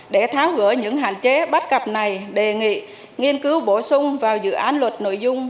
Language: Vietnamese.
để tháo gỡ những hạn chế bắt cập này đề nghị nghiên cứu bổ sung vào dự án luật nội dung